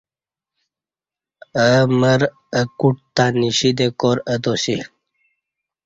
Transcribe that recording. اہ مر ا کوٹ تہ نشی تے کار اتاسی